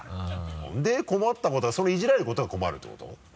で困ったことそれイジられることが困るってこと？